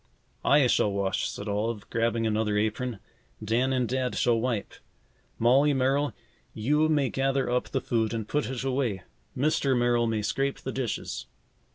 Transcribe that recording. "I shall wash," said Olive, grabbing another apron. "Dan and Dad shall wipe. Molly Merrill, you may gather up the food and put it away. Mr. Merrill may scrape the dishes."